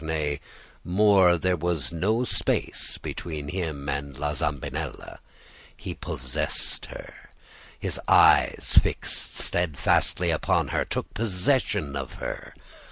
Nay, more, there was no space between him and La Zambinella; he possessed her; his eyes, fixed steadfastly upon her, took possession of her.